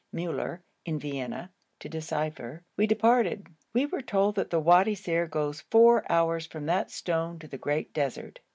Müller, in Vienna, to decipher, we departed. We were told that the Wadi Ser goes four hours from that stone to the great desert.